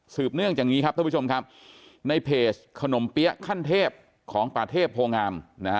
เนื่องอย่างนี้ครับท่านผู้ชมครับในเพจขนมเปี๊ยะขั้นเทพของป่าเทพโพงาม